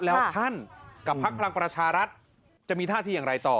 แล้วท่านกับพักพลังประชารัฐจะมีท่าทีอย่างไรต่อ